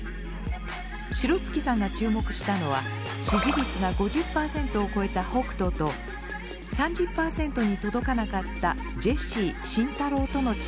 城月さんが注目したのは支持率が５０％を超えた北斗と３０％に届かなかったジェシー慎太郎との違いでした。